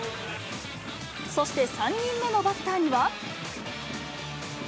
そして、３人目のバッターには。